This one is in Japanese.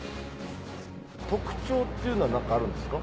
特徴っていうのは何かあるんですか？